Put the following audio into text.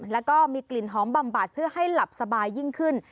แล้วก็มีกลิ่นหอมบำบัดเพื่อให้หลับสบายยิ่งขึ้น